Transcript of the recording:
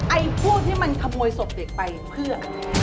ไอพวกที่มันถ่วยศพเด็กไปเพื่อกับนี้